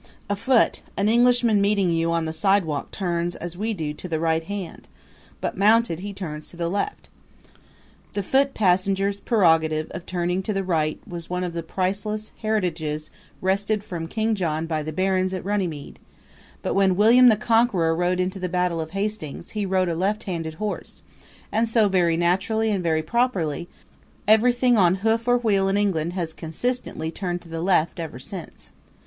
Afoot, an Englishman meeting you on the sidewalk turns, as we do, to the right hand; but mounted he turns to the left. The foot passenger's prerogative of turning to the right was one of the priceless heritages wrested from King John by the barons at Runnymede; but when William the Conqueror rode into the Battle of Hastings he rode a left handed horse and so, very naturally and very properly, everything on hoof or wheel in England has consistently turned to the left ever since.